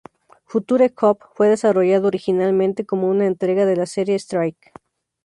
Future Cop fue desarrollado originalmente como una entrega de la serie Strike.